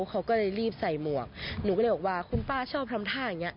เขาก็เลยรีบใส่หมวกหนูก็เลยบอกว่าคุณป้าชอบทำท่าอย่างนี้